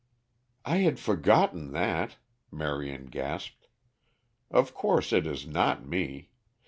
"I had forgotten that," Marion gasped. "Of course, it is not me.